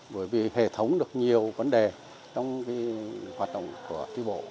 bởi vì hệ thống được nhiều vấn đề trong hoạt động của tri bộ